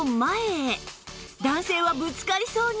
男性はぶつかりそうに